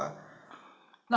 nah ini apa nih